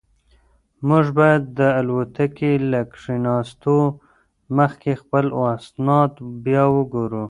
موږ باید د الوتکې له کښېناستو مخکې خپل اسناد بیا وګورو.